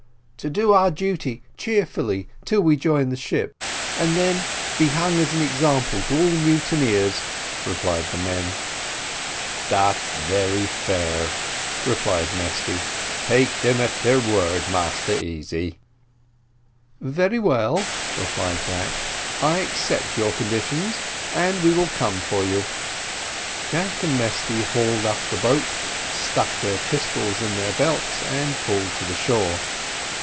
"To do our duty cheerfully till we join the ship, and then be hung as an example to all mutineers," replied the men. "Dat very fair," replied Mesty; "take dem at their word, Massa Easy." "Very well," replied Jack, "I accept your conditions; and we will come for you." Jack and Mesty hauled up the boat, stuck their pistols in their belts, and pulled to the shore.